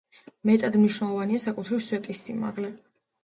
მეტად მნიშვნელოვანია საკუთრივ სვეტის სიმაღლე.